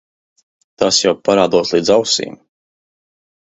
Tas jau parādos līdz ausīm.